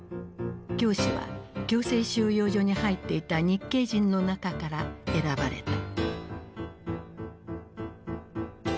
教師は強制収容所に入っていた日系人の中から選ばれた。